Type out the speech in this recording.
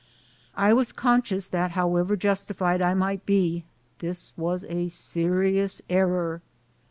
I was conscious that however justified I might be, this was a serious error.